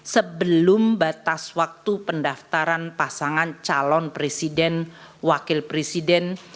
sebelum batas waktu pendaftaran pasangan calon presiden wakil presiden